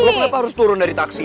gue kenapa harus turun dari taksi